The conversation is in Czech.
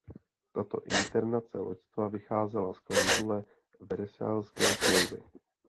Tato internace loďstva vycházela z klauzule Versailleské smlouvy.